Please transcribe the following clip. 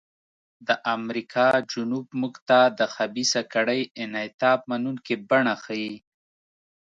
د امریکا جنوب موږ ته د خبیثه کړۍ انعطاف منونکې بڼه ښيي.